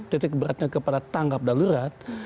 titik beratnya kepada tangkap dan lurat